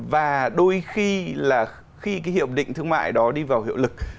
và đôi khi là khi cái hiệp định thương mại đó đi vào hiệu lực